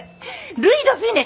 ルイ・ド・フュネス。